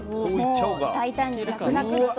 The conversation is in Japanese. もう大胆にザクザクッと。